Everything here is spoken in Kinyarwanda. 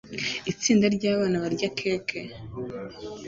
Itsinda ryabana barya keke